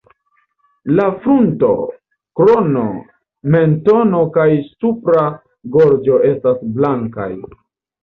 La frunto, krono, mentono kaj supra gorĝo estas blankaj.